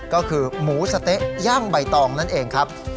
ก็คือหมูสะเต๊ะย่างใบตองนั่นเองครับ